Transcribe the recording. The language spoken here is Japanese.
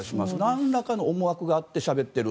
なんらかの思惑があってしゃべっている